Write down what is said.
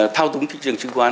thao túng thị trường trương khoán